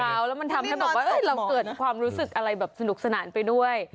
แล้วมันทำให้แบบว่าเราเกิดความรู้สึกอะไรแบบสนุกสนานไปด้วย